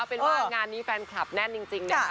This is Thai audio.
เป็นว่างานนี้แฟนคลับแน่นจริงนะคะ